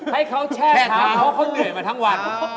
ให้เขาแช่เท้าเพราะเขาเหนื่อยมาทั้งวัน